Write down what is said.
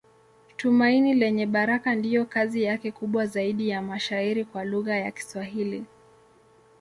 Tumaini Lenye Baraka ndiyo kazi yake kubwa zaidi ya mashairi kwa lugha ya Kiswahili.